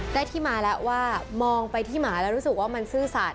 ได้ที่มาแล้วว่ามองไปที่หมาแล้วรู้สึกว่ามันซื่อสัตว